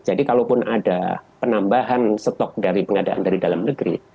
jadi kalaupun ada penambahan stok dari pengadaan dari dalam negeri